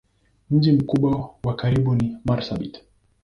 Mji mkubwa wa karibu ni Marsabit.